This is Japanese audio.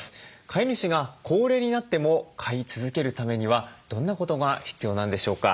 飼い主が高齢になっても飼い続けるためにはどんなことが必要なんでしょうか。